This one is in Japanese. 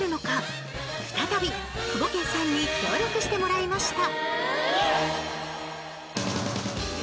再びクボケンさんに協力してもらいました